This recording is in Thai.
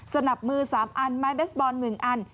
สนับมือ๓อันไม้เบสบอล๑อัน